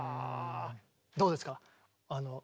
どうですか？